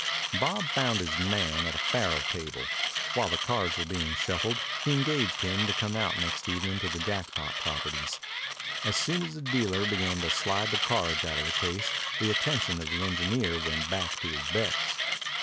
Bob found his man at a faro table. While the cards were being shuffled, he engaged him to come out next evening to the Jackpot properties. As soon as the dealer began to slide the cards out of the case the attention of the engineer went back to his bets.